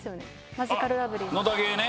マヂカルラブリーの。